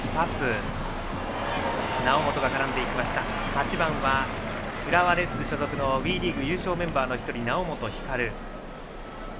８番は浦和レッズ所属のＷＥリーグ優勝メンバーの１人猶本光。